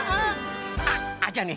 あっじゃあね